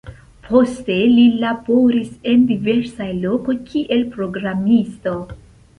Poste li laboris en diversaj lokoj kiel programisto.